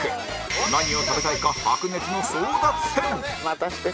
何を食べたいか白熱の争奪戦